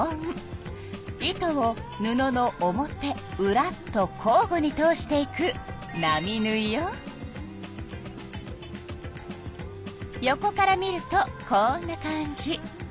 糸を布の表うらと交ごに通していく横から見るとこんな感じ。